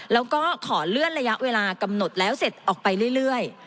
แล้วก็ขอเลื่อนระยะเวลากำหนดแล้วเสร็จออกไปเรื่อย